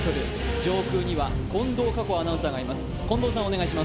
上空には近藤夏子アナウンサーがいます。